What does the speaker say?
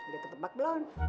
gak tebak belum